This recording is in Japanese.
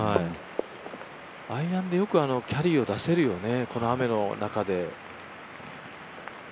アイアンでよくあのキャリーを出せるよね、この雨の中で。